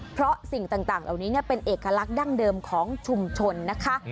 เพราะสิ่งต่างเหล่านี้เป็นเอกลักษณ์ดั้งเดิมของชุมชนนะคะ